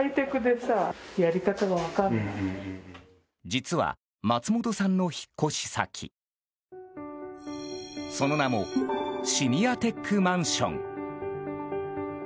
実は、松本さんの引っ越し先その名もシニアテックマンション。